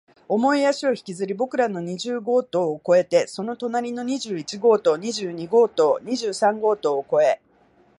重い足を引きずり、僕らの二十号棟を越えて、その隣の二十一号棟、二十二号棟、二十三号棟を越え、